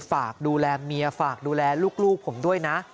ฝากดูแลเมียฝากดูแลลูกผมด้วยนะ